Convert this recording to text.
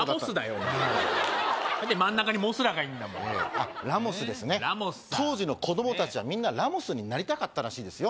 お前何で真ん中にモスラがいんだあっラモスですねラモスさん当時の子供達はみんなラモスになりたかったらしいですよ